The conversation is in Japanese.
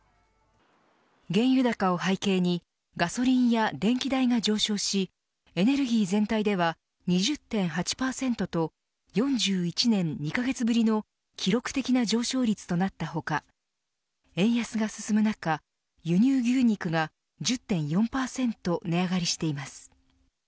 原油高を背景にガソリンや電気代が上昇しエネルギー全体では２０．８％と４１年２カ月ぶりの記録的な上昇率となった他円安が進む中、輸入牛肉が１０．４％値上がりしています。